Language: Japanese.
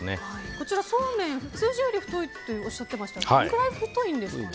こちらのそうめん通常より太いっておっしゃってましたけどどのぐらい太いんですか？